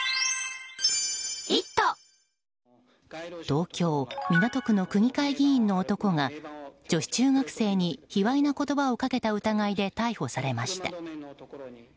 東京・港区の区議会議員の男が女子中学生に卑猥な言葉をかけた疑いで逮捕されました。